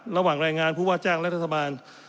ระหว่างแรงงานผู้ว่าจ้างและรัฐบาล